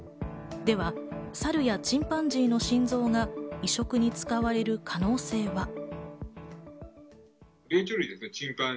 ではサルやチンパンジーの心臓が移植に使われる可能性は。